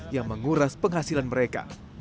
yang menguras penghasilan mereka